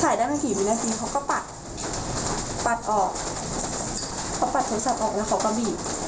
ได้ไม่กี่วินาทีเขาก็ปัดปัดออกเขาปัดโทรศัพท์ออกแล้วเขาก็บีบ